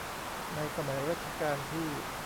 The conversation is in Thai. ในสมัยรัชกาลที่